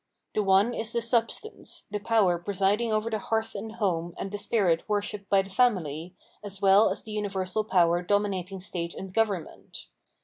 The one is the substance, the power presiding over the hearth and home and the spirit worshipped by the family, as well as the umversal power dominating state and government.